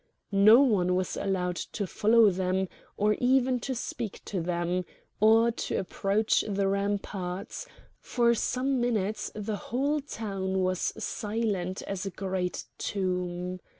No one was allowed to follow them or even to speak to them, or to approach the ramparts; for some minutes the whole town was silent as a great tomb.